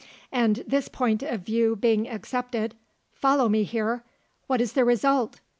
And this point of view being accepted follow me here! what is the result?